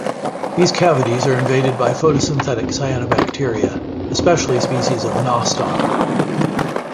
These cavities are invaded by photosynthetic cyanobacteria, especially species of "Nostoc".